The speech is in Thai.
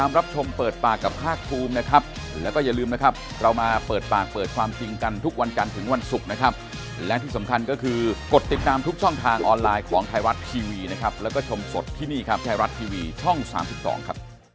มันก็เลยทำให้ไม่มีเหตุขึ้นมา